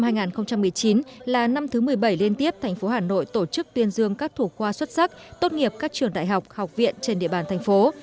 năm hai nghìn một mươi chín là năm thứ một mươi bảy liên tiếp thành phố hà nội tổ chức tuyên dương các thủ khoa xuất sắc tốt nghiệp các trường đại học học viện trên địa bàn thành phố